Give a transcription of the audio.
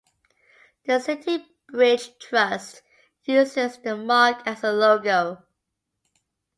The City Bridge Trust uses the mark as a logo.